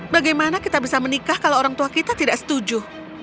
bagaimana kita bisa menikah kalau orang tua kita tidak setuju